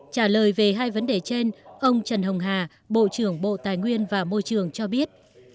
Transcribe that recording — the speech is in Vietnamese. trả lời về hai vấn đề trên ông trần hồng hà bộ trưởng bộ tài nguyên và môi trường cho biết